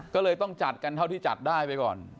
ก็เลยต้องจัดกันเท่าที่จัดได้ไปก่อน